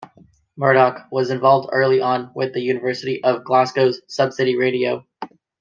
Murdoch was involved early on with the University of Glasgow's Subcity Radio.